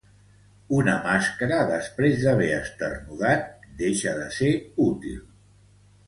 Una màscara, després d’haver esternudat, deixa de ser útil.